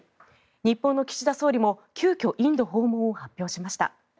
日本の岸田総理も急きょ、インド訪問を発表しました。